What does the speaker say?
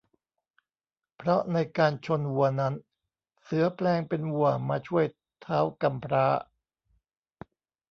เพราะในการชนวัวนั้น เสือแปลงเป็นวัวมาช่วยท้าวกำพร้า